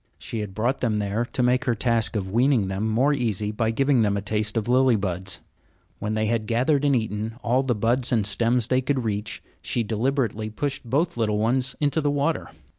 She had brought them there to make her task of weaning them more easy by giving them a taste of lily buds. When they had gathered and eaten all the buds and stems that they could reach, she deliberately pushed both little ones into the water.